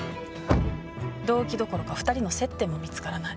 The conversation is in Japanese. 動機どころか２人の接点も見つからない。